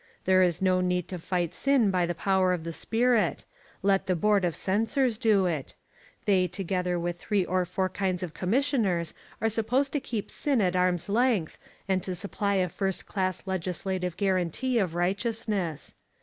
There is no need to fight sin by the power of the spirit: let the Board of Censors do it. They together with three or four kinds of Commissioners are supposed to keep sin at arm's length and to supply a first class legislative guarantee of righteousness.